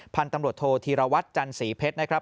พันธุ์ตำรวจโทษธีรวัตรจันสีเพชรนะครับ